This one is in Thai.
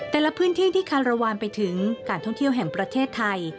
แต่ละพื้นที่ที่คารวาลไปถึงการท่องเที่ยวแห่งประเทศไทย